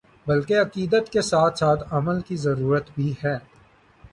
بلکہ عقیدت کے ساتھ ساتھ عمل کی ضرورت بھی ہے ۔